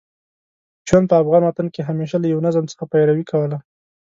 ژوند په افغان وطن کې همېشه له یوه نظم څخه پیروي کوله.